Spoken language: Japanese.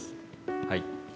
はい。